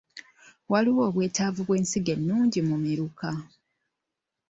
Waliwo obwetaavu bw’ensigo ennungi mu Miruka?